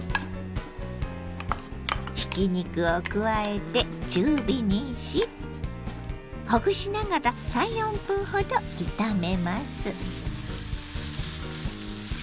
ひき肉を加えて中火にしほぐしながら３４分ほど炒めます。